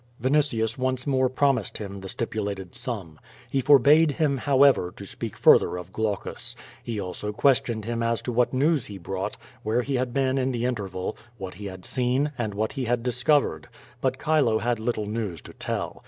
Vinitius once more promised him the stipulated sum. He forbade him, however, to speak further of Glaucus. He also questioned him as to what news he brought, where he had been in the interval, what he had seen, and what he had dis covered. But Chile had little news to tell.